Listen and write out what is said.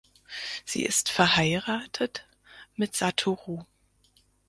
Sie ist verheiratet mit Satoru.